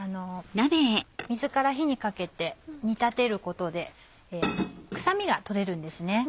水から火にかけて煮立てることで臭みが取れるんです。